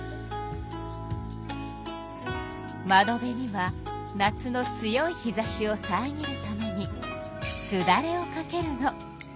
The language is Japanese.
窓辺には夏の強い日ざしをさえぎるためにすだれをかけるの。